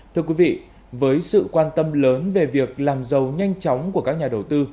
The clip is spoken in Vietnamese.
thưa quý vị với sự quan tâm lớn về việc làm giàu nhanh chóng của các nhà đầu tư